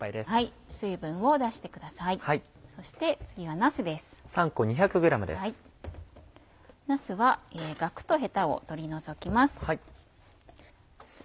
なすはガクとヘタを取り除きます。